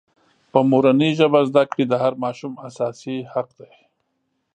په مورنۍ ژبه زدکړې د هر ماشوم اساسي حق دی.